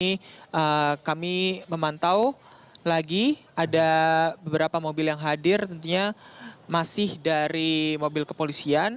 ini kami memantau lagi ada beberapa mobil yang hadir tentunya masih dari mobil kepolisian